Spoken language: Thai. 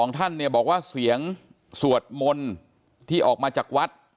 ทั้ง๒ท่านเนี่ยบอกว่าเสียงสวดมลนี่ที่ออกมาจากวัฒน์